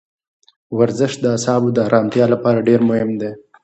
ورزش د اعصابو د ارامتیا لپاره ډېر مهم دی.